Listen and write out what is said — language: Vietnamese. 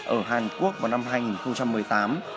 ở hàn quốc vào năm hai nghìn một mươi tám